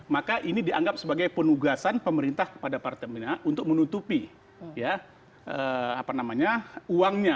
maka ini dianggap sebagai penugasan pemerintah pada pertamina untuk menutupi uangnya